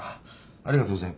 ありがとうござい。